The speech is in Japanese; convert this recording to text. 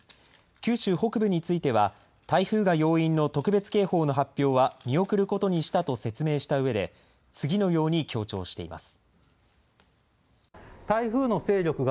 九州北部については、台風が要因の特別警報の発表は見送ることにしたと説明したうえで、次のように強調しています。